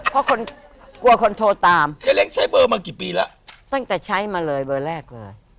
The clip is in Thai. เพราะคนกลัวคนโทรตามเฮ้เล้งใช้เบอร์มากี่ปีแล้วตั้งแต่ใช้มาเลยเบอร์แรกเลย